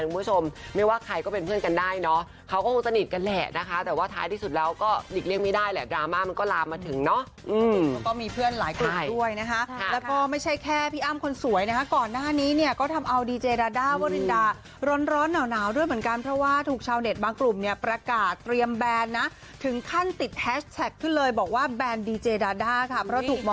วัสดีค่ะสวัสดีค่ะสวัสดีค่ะสวัสดีค่ะสวัสดีค่ะสวัสดีค่ะสวัสดีค่ะสวัสดีค่ะสวัสดีค่ะสวัสดีค่ะสวัสดีค่ะสวัสดีค่ะสวัสดีค่ะสวัสดีค่ะสวัสดีค่ะสวัสดีค่ะสวัสดีค่ะสวัสดีค่ะสวัสดีค่ะสวัสดีค่ะสว